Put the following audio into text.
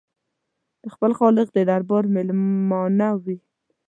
د خپل خالق د دربار مېلمانه وي.